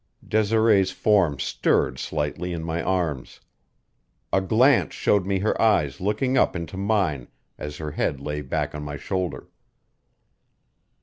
Desiree's form stirred slightly in my arms. A glance showed me her eyes looking up into mine as her head lay back on my shoulder.